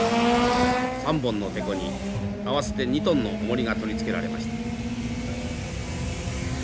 ３本のテコに合わせて２トンのおもりが取り付けられました。